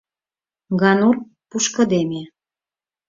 Ганур пушкыдеме.